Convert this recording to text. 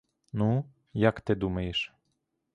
Ну, як ти думаєш?